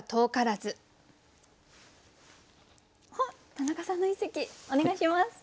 田中さんの一席お願いします。